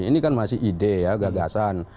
ini kan masih ide ya gagasan